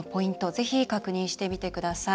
ぜひ、確認してみてください。